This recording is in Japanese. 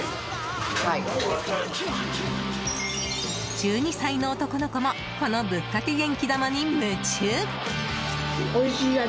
１２歳の男の子もこのぶっかけ元気玉に夢中。